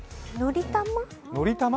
のりたま？